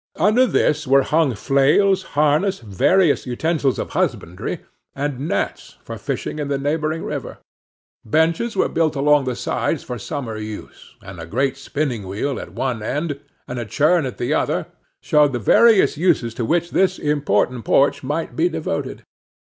Under this were hung flails, harness, various utensils of husbandry, and nets for fishing in the neighboring river. Benches were built along the sides for summer use; and a great spinning wheel at one end, and a churn at the other, showed the various uses to which this important porch might be devoted.